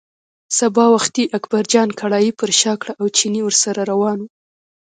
سبا وختي اکبرجان کړایی پر شا کړه او چيني ورسره روان و.